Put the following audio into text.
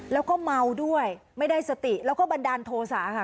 แล้วก็เมาด้วยไม่ได้สติแล้วก็บันดาลโทษะค่ะ